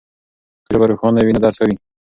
که ژبه روښانه وي نو درس ښه وي.